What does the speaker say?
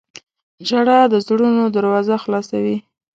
• ژړا د زړونو دروازه خلاصوي.